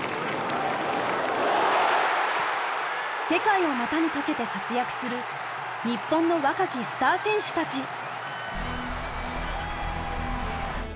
世界を股にかけて活躍する日本の若きスター選手たち。